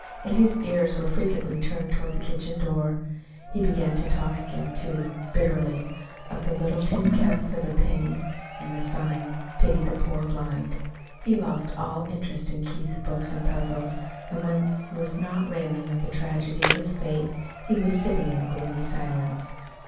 And his ears were frequently turned toward the kitchen door. He began to talk again, too, bitterly, of the little tin cup for the pennies and the sign "Pity the Poor Blind." He lost all interest in Keith's books and puzzles, and when he was not railing at the tragedy of his fate, he was sitting in gloomy silence.